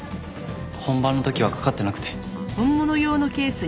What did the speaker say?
本番の時はかかってなくて。